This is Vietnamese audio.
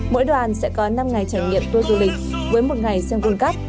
mỗi đoàn sẽ có năm ngày trải nghiệm tour du lịch với một ngày xem world cup